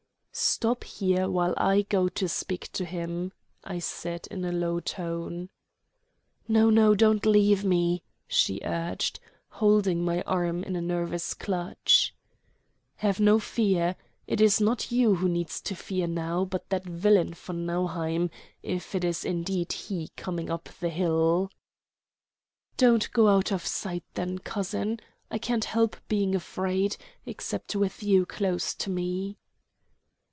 "Stop here while I go to speak to him," I said in a low tone. "No, no, don't leave me," she urged, holding my arm in a nervous clutch. "Have no fear. It is not you who need to fear now, but that villain von Nauheim, if it is indeed he coming up the hill." "Don't go out of sight, then, cousin. I can't help being afraid except with you close to me."